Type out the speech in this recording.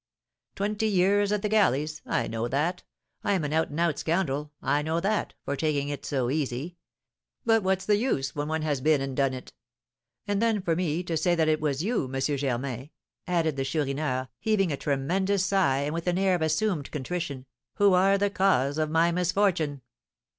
"Twenty years at the galleys; I know that. I am an out and out scoundrel, I know that, for taking it so easy. But what's the use when one has been and done it? And then, for me to say that it was you, M. Germain," added the Chourineur, heaving a tremendous sigh, and with an air of assumed contrition, "who are the cause of my misfortune."